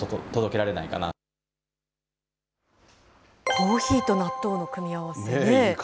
コーヒーと納豆の組み合わせね。